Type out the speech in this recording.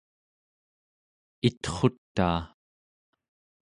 itrutaa